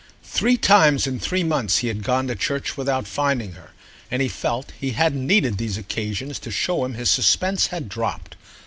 Three times in three months he had gone to church without finding her, and he felt he hadn't needed these occasions to show him his suspense had dropped.